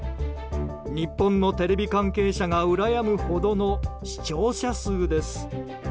日本のテレビ関係者がうらやむほどの視聴者数です。